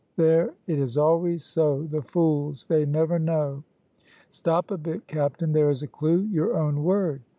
"There! it is always so. The fools! they never know." "Stop a bit, captain, there is a clew (your own word)."